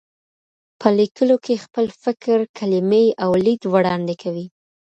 په لیکلو کې خپل فکر، کلمې او لید وړاندې کوي.